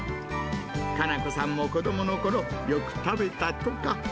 加奈子さんも子どものころ、よく食べたとか。